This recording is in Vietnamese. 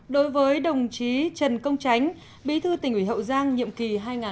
đối với đồng chí trần công chánh bí thư tỉnh ủy hậu giang nhiệm kỳ hai nghìn một mươi năm hai nghìn hai mươi